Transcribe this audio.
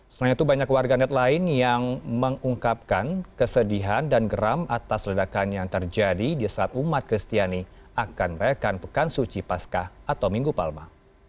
selain itu banyak warganet lain yang mengungkapkan kesedihan dan geram atas ledakan yang terjadi di saat umat kristiani akan merayakan pekan suci pasca atau minggu palma